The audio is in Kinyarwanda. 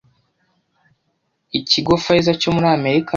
Ikigo Pfizer cyo muri Amerika